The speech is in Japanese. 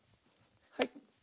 はい。